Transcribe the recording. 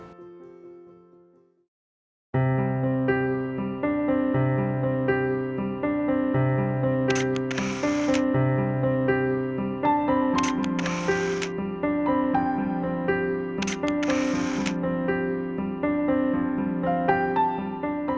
jadi kalau kita berbagi itu pasti akan tahan